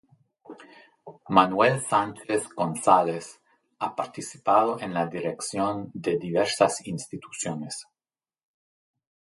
Manuel Sánchez González ha participado en la dirección de diversas instituciones.